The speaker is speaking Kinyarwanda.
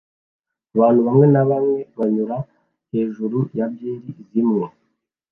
Abantu bamwe bamwenyura hejuru ya byeri zimwe